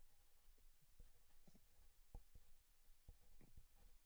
John Lothrop, product of an old and distinguished line of Massachusetts clergymen.